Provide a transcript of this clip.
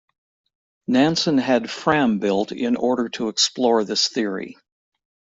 Nansen had "Fram" built in order to explore this theory.